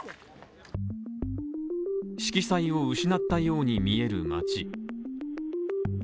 色彩を失ったように見える街。